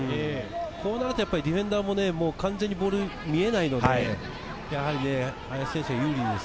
こうなるとディフェンダーもボールが見えないので、林選手が有利です。